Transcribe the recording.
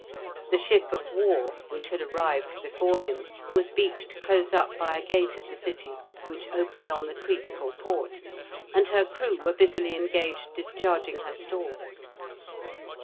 The ship of war, which had arrived before him, was beached close up by a gate of the city, which opened on the creek or port, and her crew were busily engaged discharging her stores.